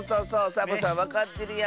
サボさんわかってるやん。